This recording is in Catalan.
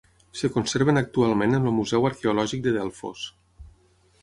Es conserven actualment en el Museu Arqueològic de Delfos.